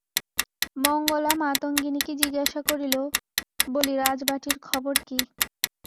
মঙ্গলা মাতঙ্গিনীকে জিজ্ঞাসা করিল, বলি রাজবাটীর খবর কী?